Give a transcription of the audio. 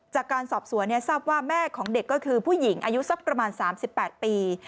จากการสอบสวนทราบว่าแม่ของเด็กก็คือผู้หญิงอายุสักประมาณ๓๘ปี